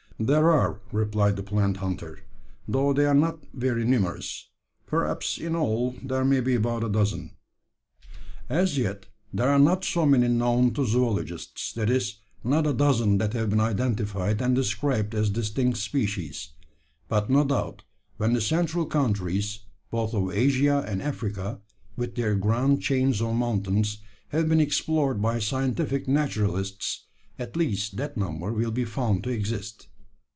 "There are," replied the plant hunter, "though they are not very numerous perhaps in all there may be about a dozen. As yet there are not so many known to zoologists that is, not a dozen that have been identified and described as distinct species; but no doubt when the central countries, both of Asia and Africa with their grand chains of mountains have been explored by scientific naturalists, at least that number will be found to exist.